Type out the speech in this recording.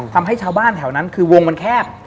ทำให้ชาวบ้านแถวนั้นคือวงมันแคบ